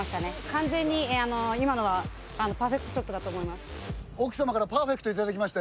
完全に今のはパーフェクトショットだと思います。